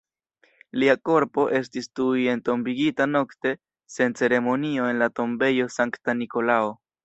Lia korpo estis tuj entombigita nokte sen ceremonio en la Tombejo Sankta Nikolao.